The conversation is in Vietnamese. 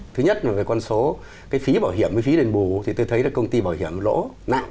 thứ nhất là con số phí bảo hiểm với phí đền bù tôi thấy công ty bảo hiểm lỗ nặng